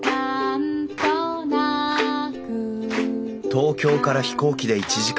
東京から飛行機で１時間。